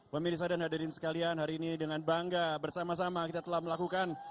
pemirsa dan hadirin sekalian hari ini dengan bangga bersama sama kita telah melakukan